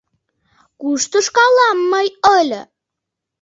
Куш тошкалам мый ыле?